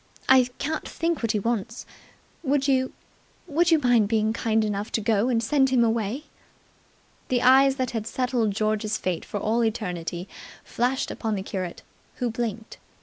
I can't think what he wants. Would you would you mind being kind enough to go and send him away?" The eyes that had settled George's fate for all eternity flashed upon the curate, who blinked.